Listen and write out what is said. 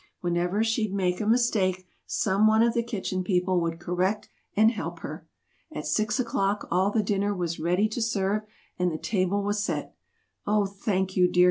Whenever she'd make a mistake, some one of the Kitchen People would correct and help her. At six o'clock all the dinner was ready to serve, and the table was set.